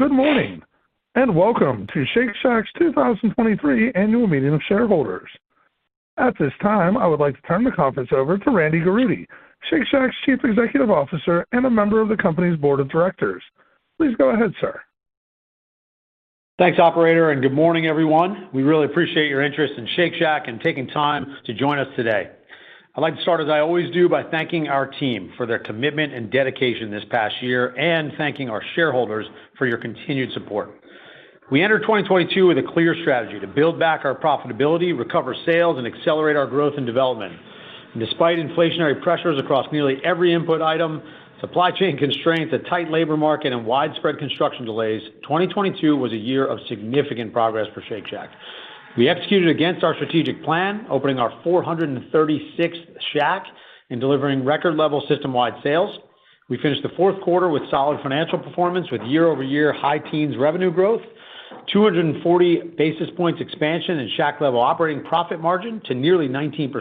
Good morning, welcome to Shake Shack's 2023 Annual Meeting of Shareholders. At this time, I would like to turn the conference over to Randy Garutti, Shake Shack's Chief Executive Officer and a member of the company's Board of Directors. Please go ahead, sir. Thanks, operator. Good morning, everyone. We really appreciate your interest in Shake Shack and taking time to join us today. I'd like to start, as I always do, by thanking our team for their commitment and dedication this past year and thanking our shareholders for your continued support. We entered 2022 with a clear strategy to build back our profitability, recover sales, and accelerate our growth and development. Despite inflationary pressures across nearly every input item, supply chain constraints, a tight labor market, and widespread construction delays, 2022 was a year of significant progress for Shake Shack. We executed against our strategic plan, opening our 436th Shack and delivering record-level System-wide sales. We finished the 4th quarter with solid financial performance, with year-over-year high teens revenue growth, 240 basis points expansion in Shack-level operating profit margin to nearly 19%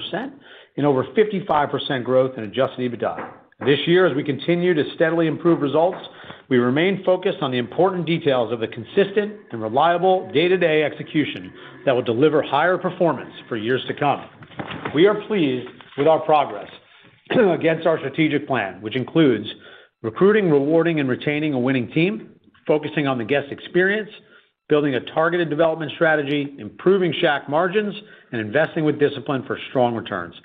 and over 55% growth in Adjusted EBITDA. This year, as we continue to steadily improve results, we remain focused on the important details of the consistent and reliable day-to-day execution that will deliver higher performance for years to come. We are pleased with our progress against our strategic plan, which includes recruiting, rewarding, and retaining a winning team, focusing on the guest experience, building a targeted development strategy, improving Shack margins, and investing with discipline for strong returns.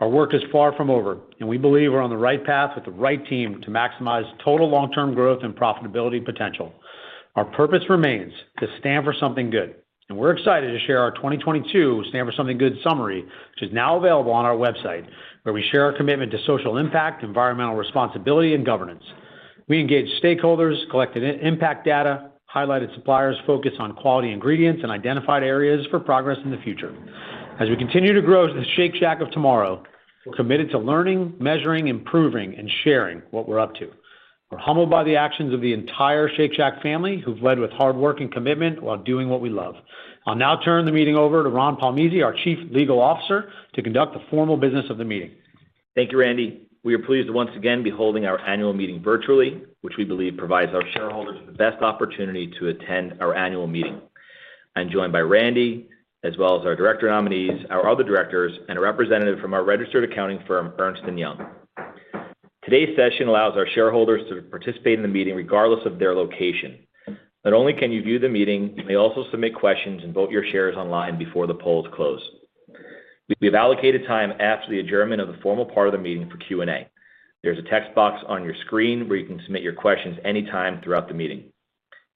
Our work is far from over, and we believe we're on the right path with the right team to maximize total long-term growth and profitability potential. Our purpose remains to stand for something good. We're excited to share our 2022 Stand For Something Good summary, which is now available on our website, where we share our commitment to social impact, environmental responsibility, and governance. We engaged stakeholders, collected impact data, highlighted suppliers, focused on quality ingredients, and identified areas for progress in the future. As we continue to grow as the Shake Shack of tomorrow, we're committed to learning, measuring, improving, and sharing what we're up to. We're humbled by the actions of the entire Shake Shack family, who've led with hard work and commitment while doing what we love. I'll now turn the meeting over to Ron Palmese, our Chief Legal Officer, to conduct the formal business of the meeting. Thank you, Randy. We are pleased to once again be holding our annual meeting virtually, which we believe provides our shareholders the best opportunity to attend our annual meeting. I'm joined by Randy, as well as our director nominees, our other directors, and a representative from our registered accounting firm, Ernst & Young. Today's session allows our shareholders to participate in the meeting, regardless of their location. Not only can you view the meeting, you may also submit questions and vote your shares online before the polls close. We've allocated time after the adjournment of the formal part of the meeting for Q&A. There's a text box on your screen where you can submit your questions anytime throughout the meeting.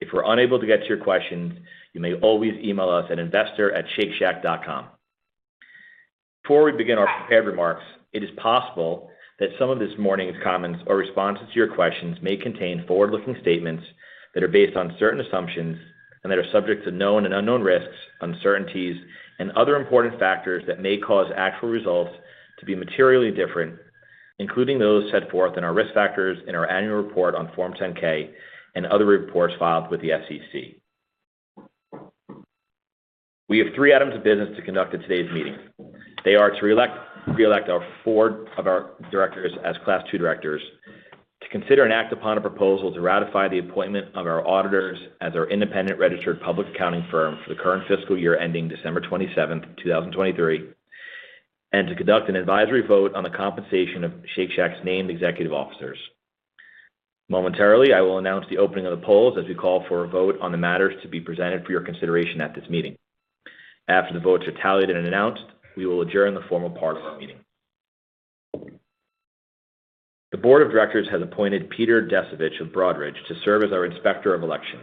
If we're unable to get to your questions, you may always email us at investor@shakeshack.com. Before we begin our prepared remarks, it is possible that some of this morning's comments or responses to your questions may contain forward-looking statements that are based on certain assumptions and that are subject to known and unknown risks, uncertainties, and other important factors that may cause actual results to be materially different, including those set forth in our risk factors in our annual report on Form 10-K and other reports filed with the SEC. We have three items of business to conduct in today's meeting. They are to reelect four of our directors as Class II directors, to consider and act upon a proposal to ratify the appointment of our auditors as our independent registered public accounting firm for the current fiscal year ending December 27, 2023, and to conduct an advisory vote on the compensation of Shake Shack's named executive officers. Momentarily, I will announce the opening of the polls as we call for a vote on the matters to be presented for your consideration at this meeting. After the votes are tallied and announced, we will adjourn the formal part of our meeting. The board of directors has appointed Peter Descovich of Broadridge to serve as our Inspector of Election.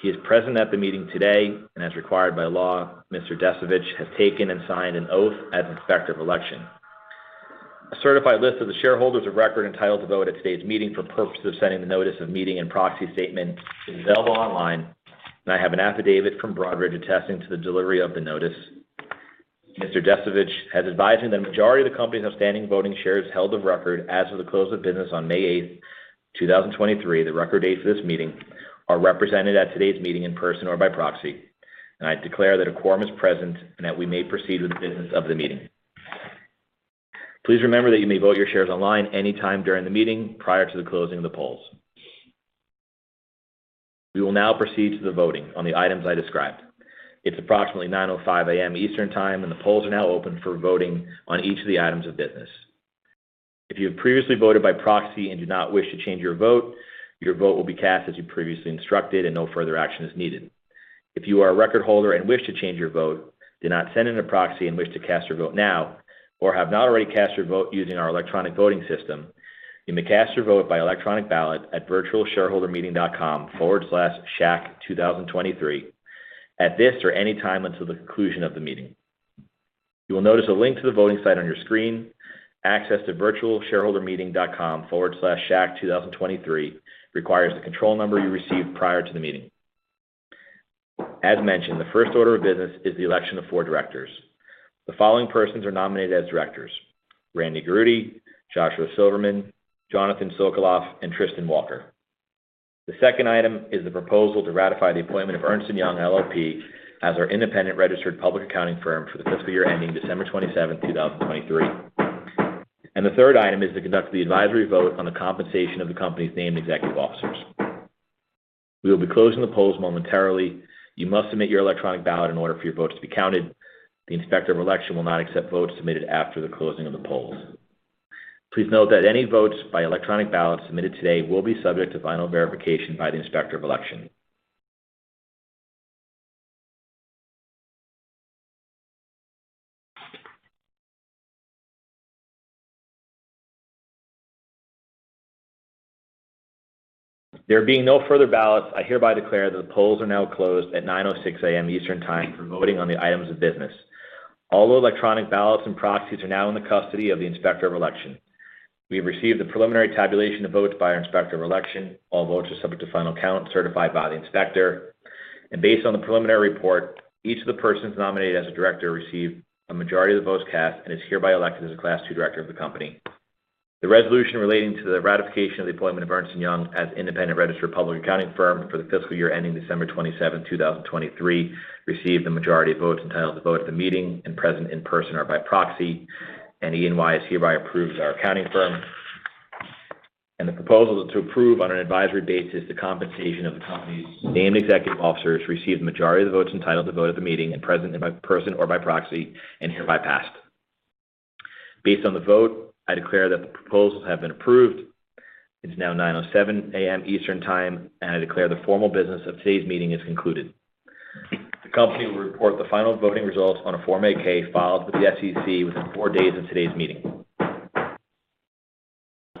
He is present at the meeting today, and as required by law, Mr. Descovich has taken and signed an oath as Inspector of Election. A certified list of the shareholders of record entitled to vote at today's meeting for purposes of sending the notice of meeting and proxy statement is available online, and I have an affidavit from Broadridge attesting to the delivery of the notice. Mr. Descovich has advised me that the majority of the company's outstanding voting shares held of record as of the close of business on May 8, 2023, the record date for this meeting, are represented at today's meeting in person or by proxy. I declare that a quorum is present and that we may proceed with the business of the meeting. Please remember that you may vote your shares online anytime during the meeting, prior to the closing of the polls. We will now proceed to the voting on the items I described. It's approximately 9:05 A.M. Eastern Time. The polls are now open for voting on each of the items of business. If you have previously voted by proxy and do not wish to change your vote, your vote will be cast as you previously instructed, and no further action is needed. If you are a record holder and wish to change your vote, did not send in a proxy and wish to cast your vote now, or have not already cast your vote using our electronic voting system, you may cast your vote by electronic ballot at virtualshareholdermeeting.com/SHAK2023 at this or any time until the conclusion of the meeting. You will notice a link to the voting site on your screen. Access to virtualshareholdermeeting.com/SHAK2023 requires the control number you received prior to the meeting. As mentioned, the first order of business is the election of four directors. The following persons are nominated as directors: Randy Garutti, Joshua Silverman, Jonathan Sokoloff, and Tristian Walker. The second item is the proposal to ratify the appointment of Ernst & Young LLP as our independent registered public accounting firm for the fiscal year ending December 27th, 2023. The third item is to conduct the advisory vote on the compensation of the company's named executive officers. We will be closing the polls momentarily. You must submit your electronic ballot in order for your votes to be counted. The Inspector of Election will not accept votes submitted after the closing of the polls. Please note that any votes by electronic ballot submitted today will be subject to final verification by the Inspector of Election. There being no further ballots, I hereby declare that the polls are now closed at 9:06 A.M. Eastern Time for voting on the items of business. All electronic ballots and proxies are now in the custody of the Inspector of Election. We have received the preliminary tabulation of votes by our Inspector of Election. All votes are subject to final count, certified by the inspector. Based on the preliminary report, each of the persons nominated as a director received a majority of the votes cast and is hereby elected as a Class II director of the company. The resolution relating to the ratification of the appointment of Ernst & Young as independent registered public accounting firm for the fiscal year ending December 27th, 2023, received the majority of votes entitled to vote at the meeting and present in person or by proxy, and E&Y is hereby approved as our accounting firm. The proposal to approve on an advisory basis the compensation of the company's named executive officers, received the majority of the votes entitled to vote at the meeting and present in person or by proxy, and hereby passed. Based on the vote, I declare that the proposals have been approved. It's now 9:07 A.M. Eastern Time. I declare the formal business of today's meeting is concluded. The company will report the final voting results on a Form 8-K filed with the SEC within 4 days of today's meeting.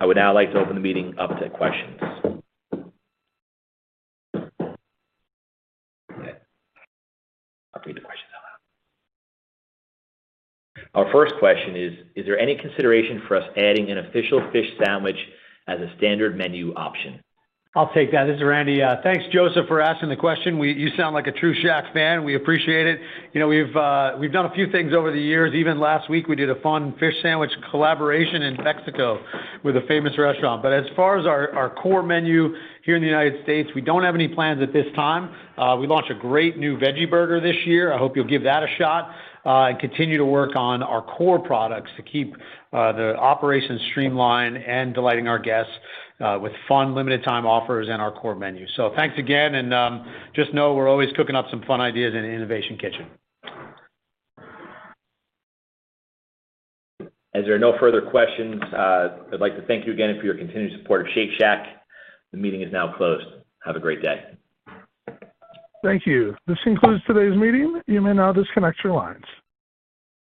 I would now like to open the meeting up to questions. I'll read the questions out loud. Our first question is: Is there any consideration for us adding an official fish sandwich as a standard menu option? I'll take that. This is Randy. Thanks, Joseph, for asking the question. You sound like a true Shack fan. We appreciate it. You know, we've done a few things over the years. Even last week, we did a fun fish sandwich collaboration in Mexico with a famous restaurant. As far as our core menu here in the United States, we don't have any plans at this time. We launched a great new veggie burger this year. I hope you'll give that a shot and continue to work on our core products to keep the operations streamlined and delighting our guests with fun, limited time offers in our core menu. Thanks again, and just know we're always cooking up some fun ideas in the innovation kitchen. As there are no further questions, I'd like to thank you again for your continued support of Shake Shack. The meeting is now closed. Have a great day. Thank you. This concludes today's meeting. You may now disconnect your lines.